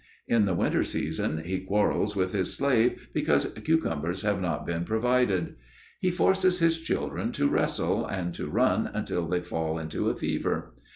In the winter season he quarrels with his slave because cucumbers have not been provided. He forces his children to wrestle and to run until they fall into a fever.